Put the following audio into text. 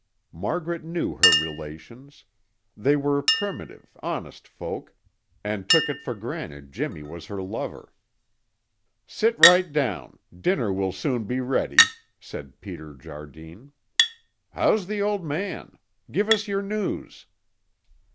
Margaret knew her relations. They were primitive, honest folk, and took it for granted Jimmy was her lover. "Sit right down. Dinner will soon be ready," said Peter Jardine. "How's the old man? Give us your news."